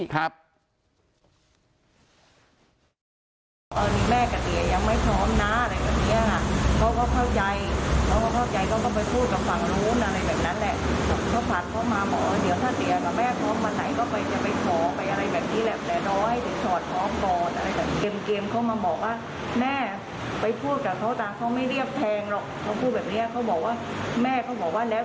ไปก็เกือบล้านที่ว่าจะจบทะเบียนกันที่ว่าเอาสินสอดไปให้เขาคือเขาไม่ได้มาบอก